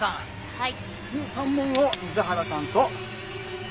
はい。